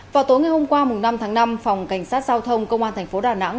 vào tối ngày hôm qua năm tháng năm phòng cảnh sát giao thông công an thành phố đà nẵng